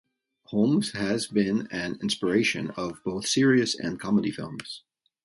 Holmes has been an inspiration of both serious and comedy films.